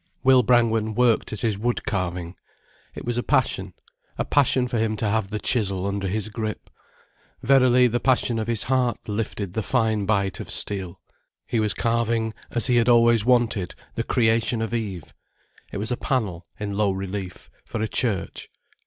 Will Brangwen worked at his wood carving. It was a passion, a passion for him to have the chisel under his grip. Verily the passion of his heart lifted the fine bite of steel. He was carving, as he had always wanted, the Creation of Eve. It was a panel in low relief, for a church.